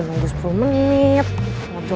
nunggu sepuluh menit lagi